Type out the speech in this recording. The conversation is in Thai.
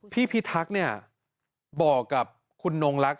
พี่พิทักษ์บอกกับคุณนงลักษณ์